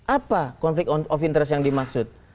apa konflik of interest yang dimaksud